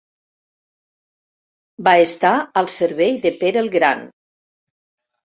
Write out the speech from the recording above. Va estar al servei de Pere el Gran.